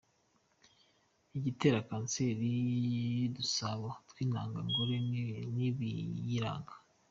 Igitera Kanseri y’udusabo tw’intanga ngore n’ibiyiranga